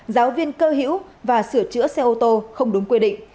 giáo viên cơ hữu và sửa chữa xe ô tô không đúng quy định